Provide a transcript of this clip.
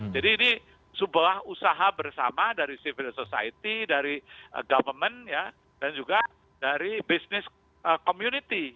jadi ini sebuah usaha bersama dari civil society dari government ya dan juga dari business community